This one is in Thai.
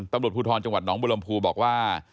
ตำรวจภูทรจังหวัดหนองบุรมภูบอกว่า